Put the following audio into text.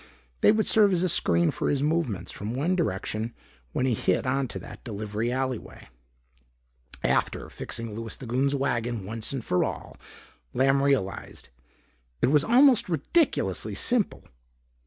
They would serve as a screen for his movements from one direction when he hit into that delivery alleyway after fixing Louis the Goon's wagon once and for all, Lamb realized. It was almost ridiculously simple.